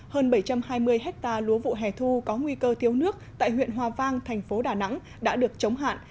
hơn bảy trăm hai mươi hectare lúa vụ hè thu có nguy cơ thiếu nước tại huyện hòa vang thành phố đà nẵng đã được chống hạn